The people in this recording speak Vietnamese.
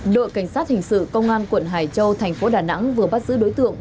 đội cảnh sát hình sự công an quận hải châu thành phố đà nẵng vừa bắt giữ đối tượng